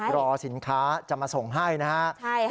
รอสินค้าจะมาส่งให้นะครับ